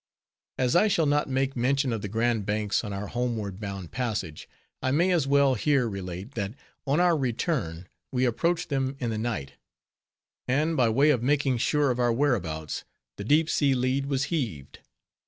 As I shall not make mention of the Grand Banks on our homeward bound passage, I may as well here relate, that on our return, we approached them in the night; and by way of making sure of our whereabouts, the deep sea lead was heaved.